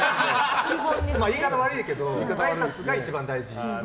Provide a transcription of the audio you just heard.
言い方が悪いけどあいさつが一番大事。